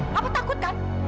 papa takut kan